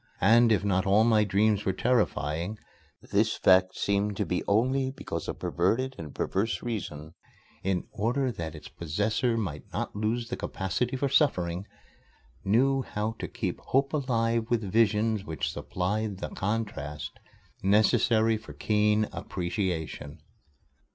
And if not all my dreams were terrifying, this fact seemed to be only because a perverted and perverse Reason, in order that its possessor might not lose the capacity for suffering, knew how to keep Hope alive with visions which supplied the contrast necessary for keen appreciation.